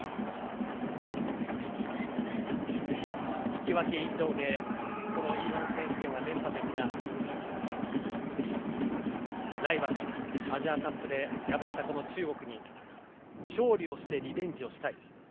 引き分け以上でＥ‐１選手権は連覇ですがライバルアジアカップで敗れた中国に勝利をしてリベンジしたい。